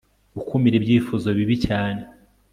Gukumira Ibyifuzo Bibi cyane